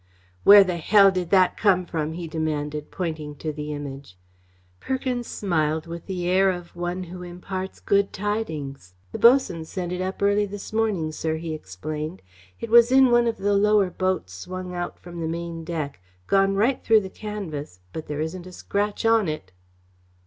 "Where the hell did that come from?" he demanded, pointing to the Image. Perkins smiled with the air of one who imparts good tidings. "The bos'un sent it up early this morning, sir," he explained. "It was in one of the lower boats, swung out from the main deck gone right through the canvas but there isn't a scratch on it."